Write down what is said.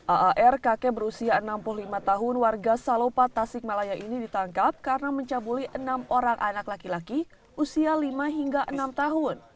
aar kakek berusia enam puluh lima tahun warga salopa tasikmalaya ini ditangkap karena mencabuli enam orang anak laki laki usia lima hingga enam tahun